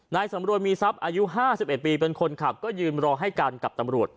สำรวจมีทรัพย์อายุ๕๑ปีเป็นคนขับก็ยืนรอให้กันกับตำรวจ